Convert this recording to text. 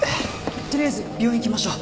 とりあえず病院行きましょう。